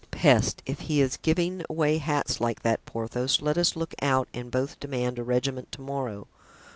"Peste, if he is giving away hats like that, Porthos, let us look out and both demand a regiment to morrow.